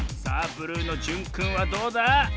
ブルーのじゅんくんはどうだ？